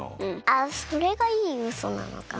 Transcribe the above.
あっそれがいいウソなのか。